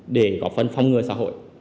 để góp phân phong ngừa xã hội